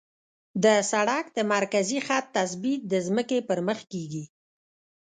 د سړک د مرکزي خط تثبیت د ځمکې پر مخ کیږي